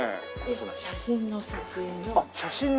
写真の撮影の。